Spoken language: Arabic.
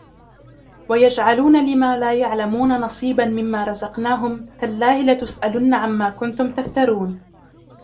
ويجعلون لما لا يعلمون نصيبا مما رزقناهم تالله لتسألن عما كنتم تفترون